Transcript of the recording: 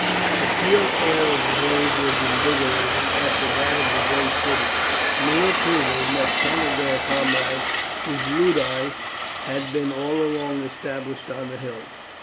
The pure air of the hills was invigorating after that of the great city; and here, too, they met ten of their comrades whose ludi had been all along established on the hills.